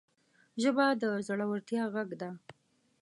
ژبه د زړورتیا غږ ده